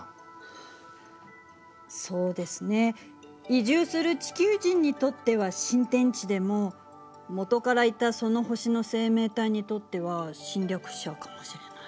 移住する地球人にとっては新天地でも元からいたその星の生命体にとっては侵略者かもしれない。